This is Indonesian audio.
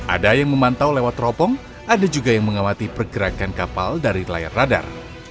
ada yang memantau lewat teropong ada juga yang mengamati pergerakan kapal dari layar radar